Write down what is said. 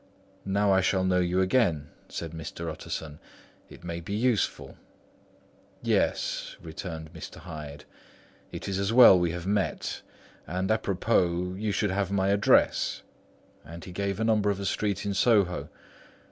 "Now I shall know you again," said Mr. Utterson. "It may be useful." "Yes," returned Mr. Hyde, "It is as well we have met; and à propos, you should have my address." And he gave a number of a street in Soho.